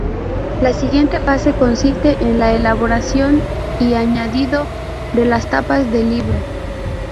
La siguiente fase consiste en la elaboración y añadido de las tapas del libro.